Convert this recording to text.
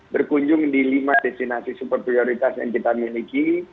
berkunjung di lima destinasi super prioritas yang kita miliki